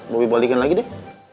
bobby balikin lagi deh